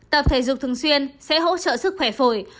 tập thể dục thường xuyên sẽ hỗ trợ sức khỏe phổi